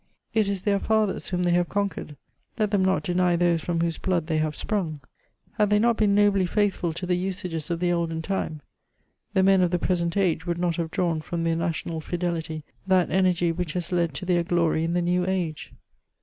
It is their fathers whom iJiey have conquered ; let ihem not deny those from whose blood l^ey have sprung. Had tliey not been nobly fjuthful to the nsages of the olden time, the men of tiie present age would not have drawn from their national fiddity, that energy which has led to their glory in the new age.